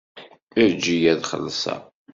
Eǧǧ-iyi ad xelṣeɣ.